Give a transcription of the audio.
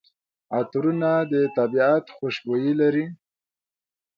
عطرونه د طبیعت خوشبويي لري.